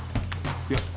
いや。